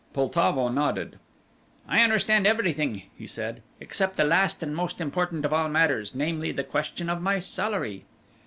Poltavo nodded. "I understand everything," he said, "except the last and most important of all matters; namely, the question of my salary."